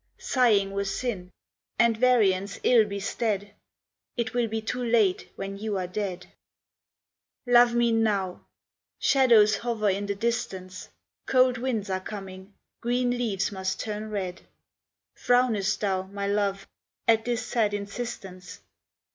Sighing were sin, and variance ill bestead ; It will be too late when you are dead ! Love me now ! Shadows hover in the distance, Cold winds are coming, green leaves must turn red. Frownest thou, my Love, at this sad insistence?